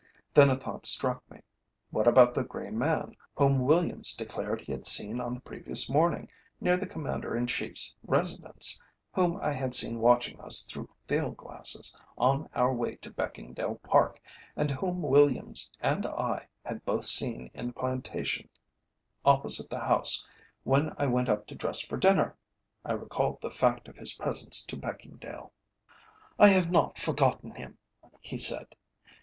Then a thought struck me. What about the grey man whom Williams declared he had seen on the previous morning near the Commander in Chief's residence, whom I had seen watching us through field glasses, on our way to Beckingdale Park, and whom Williams and I had both seen in the plantation opposite the house when I went up to dress for dinner? I recalled the fact of his presence to Beckingdale. "I have not forgotten him," he said.